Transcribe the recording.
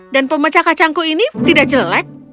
pemecah kacangku ini tidak jelek